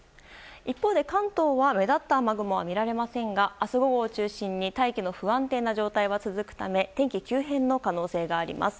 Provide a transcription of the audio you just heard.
一方で関東は目立った雨雲は見られませんが明日午後を中心に大気の不安定な状態は続くため天気急変の可能性があります。